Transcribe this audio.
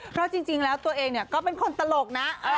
เพราะจริงแล้วตัวเองเนี่ยก็เป็นคนตลกนะ